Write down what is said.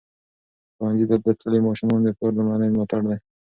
ښوونځي ته تلل د ماشومانو د پلار لومړنی ملاتړ دی.